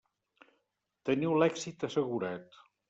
Teniu l'èxit assegurat.